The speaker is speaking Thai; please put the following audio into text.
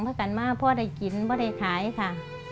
เพื่อกินเพื่อได้ขายค่ะ